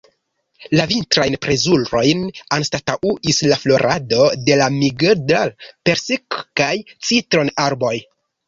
La vintrajn plezurojn anstataŭis la florado de la migdal-, persik- kaj citron-arboj.